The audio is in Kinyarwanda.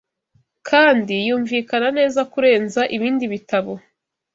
kandi yumvikana neza kurenza ibindi bitabo